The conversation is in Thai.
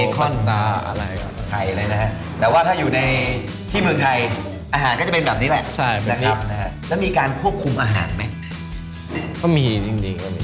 เคาสตาร์ทแบคอน